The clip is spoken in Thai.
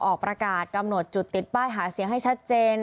ออกประกาศกำหนดจุดติดป้ายหาเสียงให้ชัดเจน